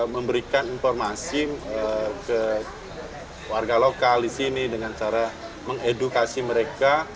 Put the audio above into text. memberikan informasi ke warga lokal di sini dengan cara mengedukasi mereka